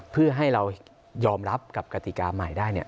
เพื่อให้เรายอมรับกับกติกาใหม่ได้